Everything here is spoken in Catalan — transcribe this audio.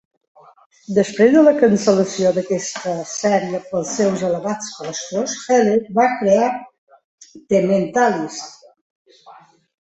Després de la cancel·lació d'aquesta sèrie pels seus elevats costos, Heller va crear "The Mentalist".